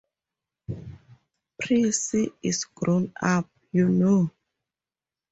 Prissy is grown up, you know.